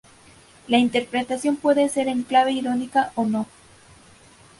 La interpretación puede ser en clave irónica o no.